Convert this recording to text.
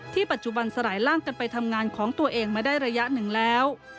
ปัจจุบันสลายร่างกันไปทำงานของตัวเองมาได้ระยะหนึ่งแล้ว